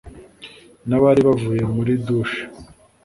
nabari bavuye muri dushe